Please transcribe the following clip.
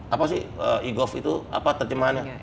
apa sih e golf itu apa terjemahannya